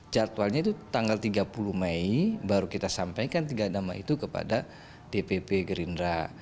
jadwalnya itu tanggal tiga puluh mei baru kita sampaikan tiga nama itu kepada dpp gerindra